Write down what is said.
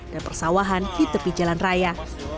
dan persawahan di tepi jalan raya